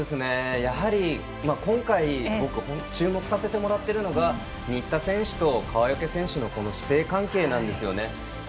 やはり、今回注目させてもらっているのが新田選手と川除選手の師弟関係なんですよね。